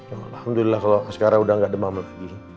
alhamdulillah kalau askarah udah gak demam lagi